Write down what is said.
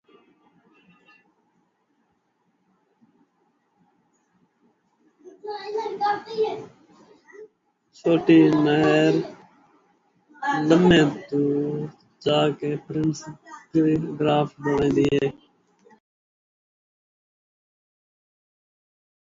The short canal ran north to Prince Graft (Prinsengracht).